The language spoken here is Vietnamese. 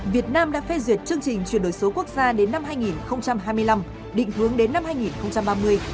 việt nam đã phê duyệt chương trình chuyển đổi số quốc gia đến năm hai nghìn hai mươi năm định hướng đến năm hai nghìn ba mươi